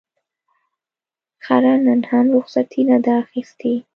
خره نن هم رخصتي نه ده اخیستې.